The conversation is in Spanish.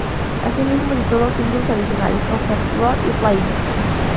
Así mismo, editó dos singles adicionales "Open Road" y "Flying".